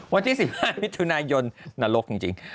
วันที่๑๕มิถุนายนนรกจริง